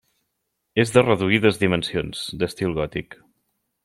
És de reduïdes dimensions, d'estil gòtic.